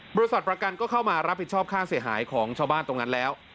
บริษัทประกันก็เข้ามารับผิดชอบค่าเสียหายของชาวบ้านตรงนั้นแล้ว